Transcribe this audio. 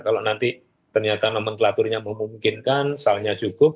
kalau nanti ternyata nomenklaturnya memungkinkan selnya cukup